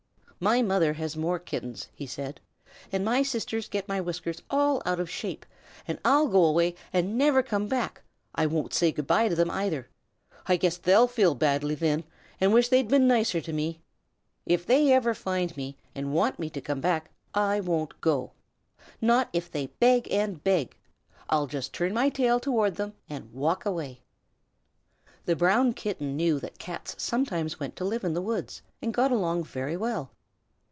"My mother has more Kittens," he said, "and my sisters get my whiskers all out of shape, and I'll go away and never come back. I won't say good by to them either. I guess they'll feel badly then and wish they'd been nicer to me! If they ever find me and want me to come back, I won't go. Not if they beg and beg! I'll just turn my tail toward them and walk away." The Brown Kitten knew that Cats sometimes went to live in the woods and got along very well.